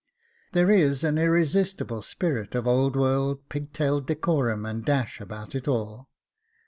There is an irresistible spirit of old world pigtail decorum and dash about it all.